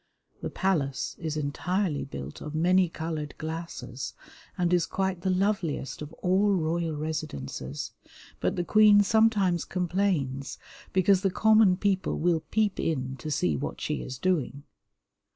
The palace is entirely built of many coloured glasses, and is quite the loveliest of all royal residences, but the queen sometimes complains because the common people will peep in to see what she is doing.